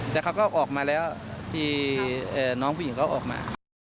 แต่เขาก็ออกมาแล้วที่น้องผู้หญิงเขาออกมา